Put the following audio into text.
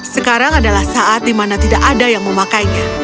sekarang adalah saat di mana tidak ada yang memakainya